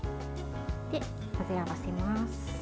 混ぜ合わせます。